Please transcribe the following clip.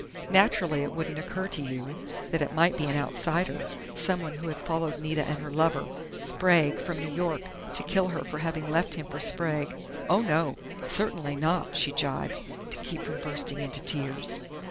Naturally it wouldn't occur to you that it might be an outsider, someone who had followed Nita and her lover, Sprague, from New York, to kill her for having left him for Sprague.... Oh, no! Certainly not!" she gibed, to keep from bursting into tears.